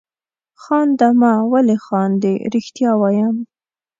خانده مه ولې خاندې؟ رښتیا وایم.